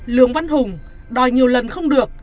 lương văn hùng đòi nhiều lần không được